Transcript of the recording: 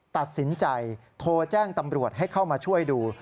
ตัดสินใจโทรแจ้งตำรวจให้เข้ามาช่วยดู